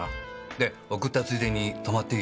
で送ったついでに泊まっていい？